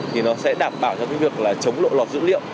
thì nó sẽ đảm bảo cho việc chống lộ lọt dữ liệu